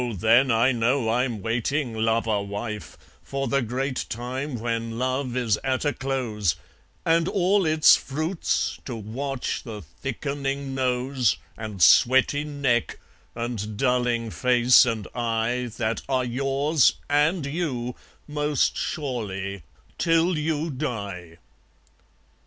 then I know I'm waiting, lover wife, For the great time when love is at a close, And all its fruit's to watch the thickening nose And sweaty neck and dulling face and eye, That are yours, and you, most surely, till you die!